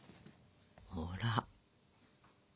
ほら。